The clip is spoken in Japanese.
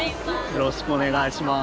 よろしくお願いします。